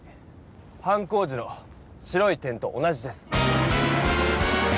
犯行時の白い点と同じです。